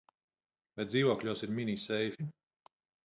Vai dzīvokļos ir mini seifi?